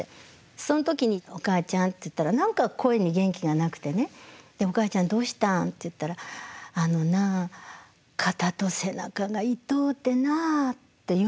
その時に「おかあちゃん」って言ったら何か声に元気がなくてね「おかあちゃんどうしたん？」って言ったら「あのな肩と背中が痛うてな」って言うんですよ。